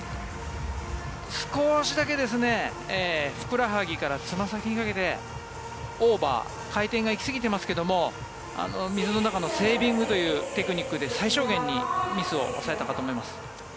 少しだけ、ふくらはぎからつま先にかけてオーバー回転が行き過ぎていますが水の中のセービングというテクニックで最小限にミスを抑えたかと思います。